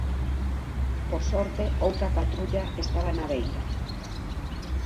Por sorte, outra patrulla estaba na beira.